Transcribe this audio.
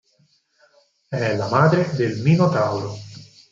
È la madre del Minotauro.